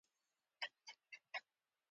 سورکی ځوړند سر ولاړ و.